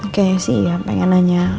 oke sih ya pengen nanya